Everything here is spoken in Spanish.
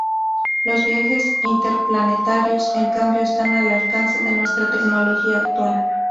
Los viajes interplanetarios, en cambio, están al alcance de nuestra tecnología actual.